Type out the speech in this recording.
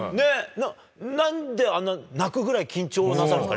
なんであんな、泣くぐらい緊張なさるんですか？